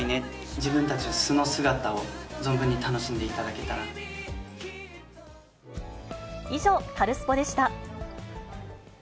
自分たちの素の姿を存分に楽以上、カルスポっ！でした。